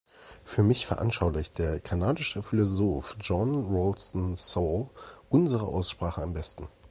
Für mich veranschaulicht der kanadische Philosoph John Ralston Saul unsere Aussprache am besten.